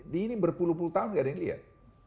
di ini berpuluh puluh tahun gak ada yang lihat